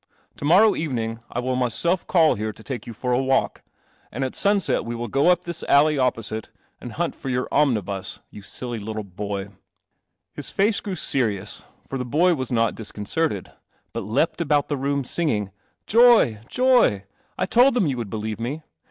To morrow evening I will myself call here • i ike you for a wall ,, and at sunset we will up this alley opposite and hunt for your omni bus, you ; 1 1 \' little boy." 11 is, for the boy was not certed, but leapt about the room singing, "I 'It lil them you would believe me.